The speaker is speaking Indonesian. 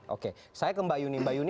oke saya ke mbak yuni mbak yuni